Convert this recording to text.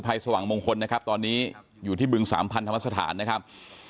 สว่างมงคลนะครับตอนนี้อยู่ที่บึงสามพันธรรมสถานนะครับ